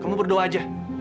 kamu berdoa aja